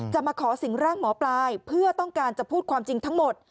มาขอสิ่งร่างหมอปลายเพื่อต้องการจะพูดความจริงทั้งหมด